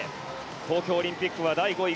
東京オリンピックは第５位。